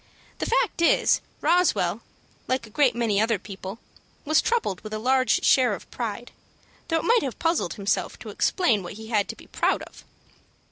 The fact is, Roswell, like a great many other people, was troubled with a large share of pride, though it might have puzzled himself to explain what he had to be proud of.